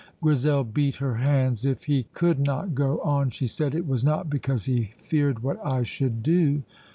Grizel beat her hands. "If he could not go on," she said, "it was not because he feared what I should do."